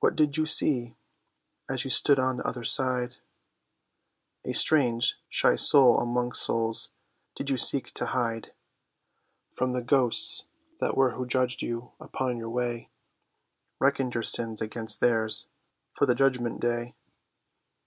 What did you see—as you stood on the other side— A strange shy soul amongst souls, did you seek to hide From the ghosts that were who judged you upon your way, Reckoned your sins against theirs for the judgment day?